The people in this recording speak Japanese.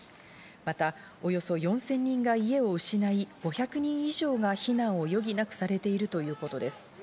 また、およそ４０００人が家を失い、５００人以上が避難を余儀なくされているということです。